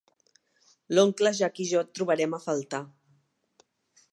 L'oncle Jack i jo et trobarem a faltar.